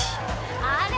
あれ？